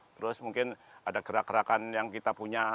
terus mungkin ada gerakan gerakan yang kita punya